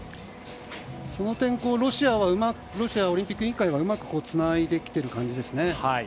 その点ロシアオリンピック委員会はうまくつないできてる感じですね。